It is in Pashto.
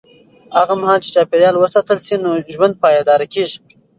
هغه مهال چې چاپېریال وساتل شي، ژوند پایدار کېږي.